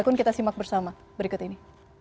namun kita simak bersama berikut ini